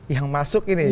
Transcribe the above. yang masuk ini